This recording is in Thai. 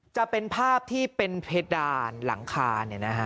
จะเป็นภาพที่เป็นเพดานหลังคา